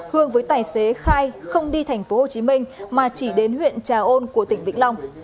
hương với tài xế khai không đi tp hcm mà chỉ đến huyện trà ôn của tỉnh vĩnh long